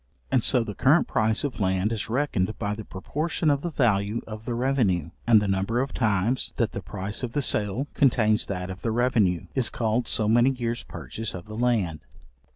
And so the current price of land is reckoned by the proportion of the value of the revenue; and the number of times, that the price of the sale contains that of the revenue, is called so many years purchase of the land.